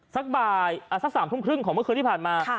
ซักบ่ายสัก๓๓๐ของเมื่อคืนที่ผ่านมา